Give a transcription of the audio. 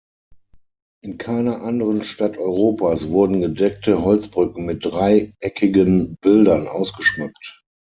In keiner anderen Stadt Europas wurden gedeckte Holzbrücken mit dreieckigen Bildern ausgeschmückt.